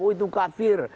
oh itu kafir